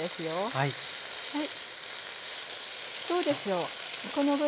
はい。